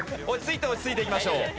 落ち着いていきましょう。